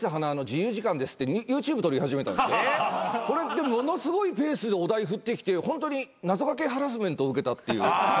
でものすごいペースでお題振ってきてホントに謎掛けハラスメント受けたっていう。